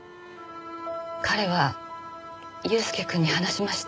彼は祐介くんに話しました。